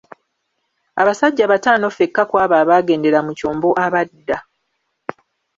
Abasajja bataano fekka ku abo abaagendera mu kyombo abadda